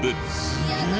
すげえ